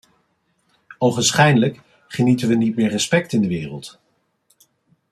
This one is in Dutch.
Ogenschijnlijk genieten we niet meer respect in de wereld.